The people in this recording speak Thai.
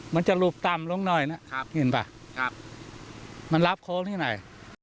มันจะหลุบต่ำลงหน่อยนะเห็นป่ะมันรับโค้งที่ไหน